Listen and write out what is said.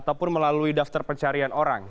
ataupun melalui daftar pencarian orang